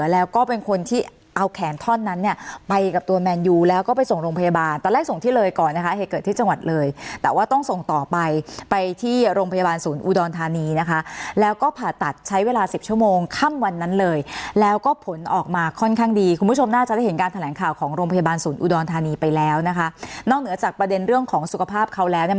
แล้วก็เป็นคนที่เอาแขนท่อนั้นเนี่ยไปกับตัวแมนยูแล้วก็ไปส่งโรงพยาบาลตอนแรกส่งที่เลยก่อนนะคะเหตุเกิดที่จังหวัดเลยแต่ว่าต้องส่งต่อไปไปที่โรงพยาบาลศูนย์อูดรธานีนะคะแล้วก็ผ่าตัดใช้เวลา๑๐ชั่วโมงค่ำวันนั้นเลยแล้วก็ผลออกมาค่อนข้างดีคุณผู้ชมน่าจะได้เห็นการแถลงข่าวของโรงพยาบาลศูนย์อ